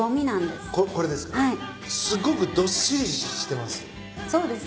すごくどっしりしてます。